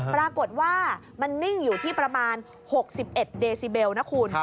ปรากฏว่ามันนิ่งอยู่ที่ประมาณ๖๑เดซิเบลนะคุณ